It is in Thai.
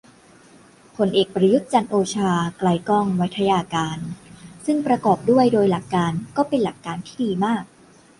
พลเอกประยุทธ์ จันทร์โอชา ไกลก้อง ไวทยการ ซึ่งประกอบด้วย โดยหลักการ ก็เป็นหลักการที่ดีมาก